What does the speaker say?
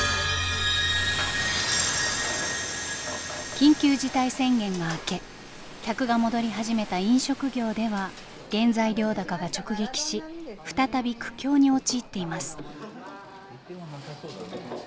緊急事態宣言が明け客が戻り始めた飲食業では原材料高が直撃し再び苦境に陥っています。